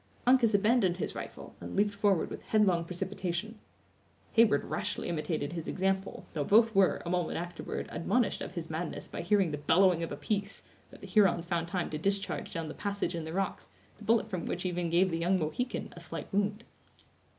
Uncas abandoned his rifle, and leaped forward with headlong precipitation. Heyward rashly imitated his example, though both were, a moment afterward, admonished of his madness by hearing the bellowing of a piece, that the Hurons found time to discharge down the passage in the rocks, the bullet from which even gave the young Mohican a slight wound.